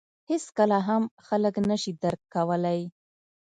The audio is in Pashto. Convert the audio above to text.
• هېڅکله هم خلک نهشي درک کولای.